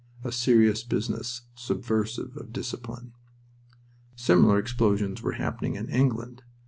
A serious business, subversive of discipline. Similar explosions were happening in England.